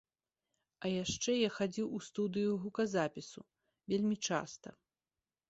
А яшчэ я хадзіў у студыю гуказапісу, вельмі часта.